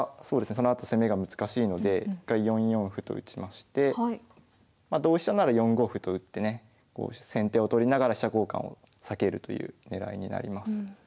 そのあと攻めが難しいので一回４四歩と打ちまして同飛車なら４五歩と打ってね先手を取りながら飛車交換を避けるという狙いになります。